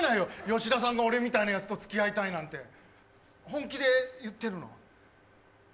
吉田さんが俺みたいなやつとつきあいたいなんて本気で言ってるの？